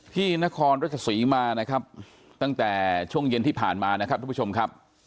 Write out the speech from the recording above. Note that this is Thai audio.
นครรัชศรีมานะครับตั้งแต่ช่วงเย็นที่ผ่านมานะครับทุกผู้ชมครับ